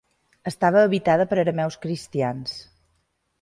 Estava habitada per arameus cristians.